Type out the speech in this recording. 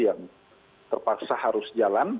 jadi mereka terpaksa harus jalan